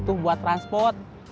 saya butuh buat transport